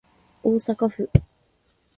大阪府